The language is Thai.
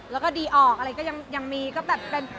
เราก็ต้องรักษาไว้เหมือนกัน